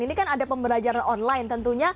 ini kan ada pembelajaran online tentunya